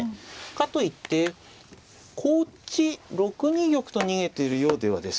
かといってこっち６二玉と逃げているようではですね